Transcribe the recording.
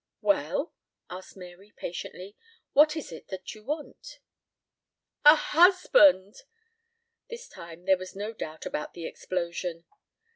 "Well?" asked Mary patiently, "what is it you do want?" "A husband!" This time there was no doubt about the explosion.